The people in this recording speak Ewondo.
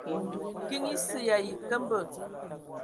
Kiŋ esə y ayi nkəmbə.